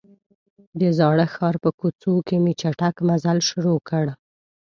د زاړه ښار په کوڅو کې مې چټک مزل شروع کړ.